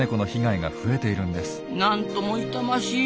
なんとも痛ましい。